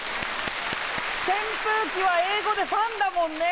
扇風機は英語でファンだもんね。